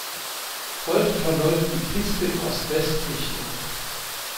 Heute verläuft die Piste in Ost-West-Richtung.